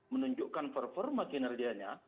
menunjukkan per perma kinerjanya